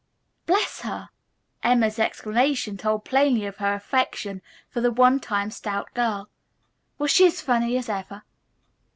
"Bless her!" Emma's exclamation told plainly of her affection for the one time stout girl. "Was she as funny as ever?"